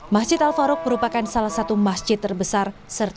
masjid al faraouk merupakan salah satu masjid yang terkena serangan udara militer israel